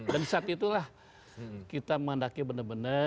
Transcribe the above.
dan saat itulah kita mengandalkan benar benar